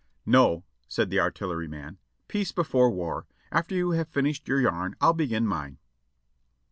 "No," said the artilleryman, "peace before war; after you have finished your yarn, I'll begin mine."